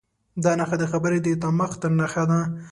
دا نښه د خبرې د تمامښت نښه ده.